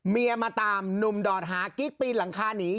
เมียมาตามหนุ่มดอดหากิ๊กปีนหลังคาหนี